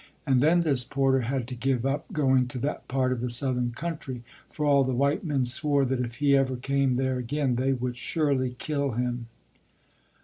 And then this porter had to give up going to that part of the Southern country, for all the white men swore that if he ever came there again they would surely kill him.